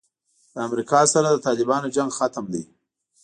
له امریکا سره د طالبانو جنګ ختم دی.